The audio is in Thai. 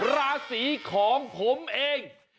ราศีของผมเอง